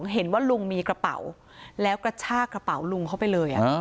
เห็นว่าลุงมีกระเป๋าแล้วกระชากระเป๋าลุงเข้าไปเลย